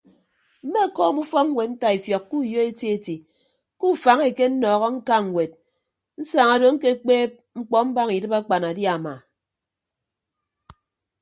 Mmekọọm ufọkñwed ntaifiọk ke uyo eti eti ke ufañ ekenọọhọ ñka ñwed nsaña ndo ñkekpeeb mkpọ mbaña idịb akpanadiama.